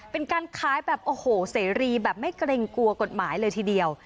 เป็นการขายแบบโอ้โหเสรีแบบไม่เกรงกลัวกฎหมายเลยทีเดียว